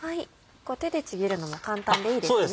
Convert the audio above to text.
手でちぎるのも簡単でいいですよね。